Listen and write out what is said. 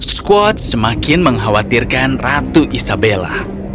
squad semakin mengkhawatirkan ratu isabella